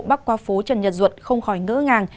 bắc qua phố trần nhật duật không khỏi ngỡ ngàng